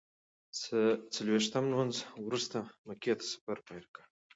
څلویښتم لمونځ وروسته مکې ته سفر پیل کړ.